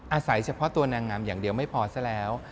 อาศัยเฉพาะตัวนางงามอย่างเดียวไม่พอซะแล้ว